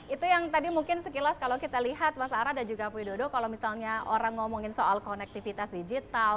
itu yang tadi mungkin sekilas kalau kita lihat mas ara dan juga widodo kalau misalnya orang ngomongin soal konektivitas digital